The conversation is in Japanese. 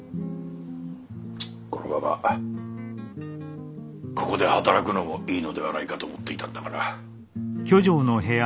このままここで働くのもいいのではないかと思っていたんだがな。